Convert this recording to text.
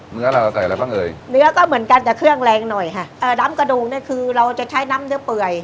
เนื้อเราใส่อะไรบ้างเอ่ยเนื้อก็เหมือนกันแต่เครื่องแรงหน่อยค่ะเอ่อน้ำกระดูกเนี่ยคือเราจะใช้น้ำเนื้อเปื่อย